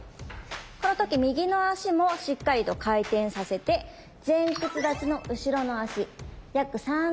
この時右の足もしっかりと回転させて前屈立ちの後ろの足約３０度開きましたね。